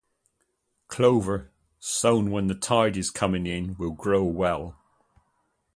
Clover sown when the tide is coming in will grow well.